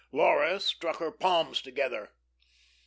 Laura struck her palms together.